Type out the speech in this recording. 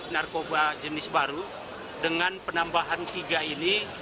narkoba jenis baru dengan penambahan tiga ini